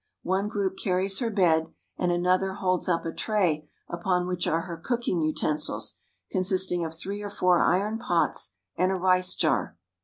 One group carries her bed, and another holds up a tray upon which are her cooking utensils, consisting of three or four iron pots and a rice jar.